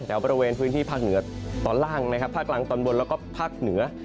แถวบริเวณพื้นที่ภาคเหนือตอนล่างนะครับภาคกลางตอนบนแล้วก็ภาคเหนือ